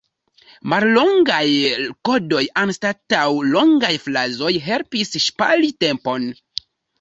Mallongaj kodoj anstataŭ longaj frazoj helpis ŝpari tempon.